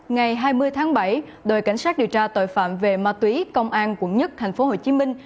ngày hai mươi tháng bảy đội cảnh sát điều tra tội phạm về ma túy công an quận một thành phố hồ chí minh